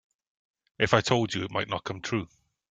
If I told you it might not come true.